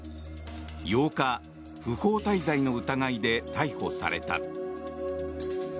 ８日、不法滞在の疑いで逮捕された。